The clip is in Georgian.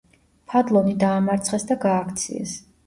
ფადლონი დაამარცხეს და გააქციეს.